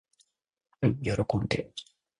はい喜んで。